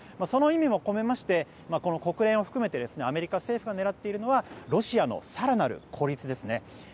その意味も込めまして国連を含めてアメリカ政府が狙っているのはロシアの更なる孤立ですね。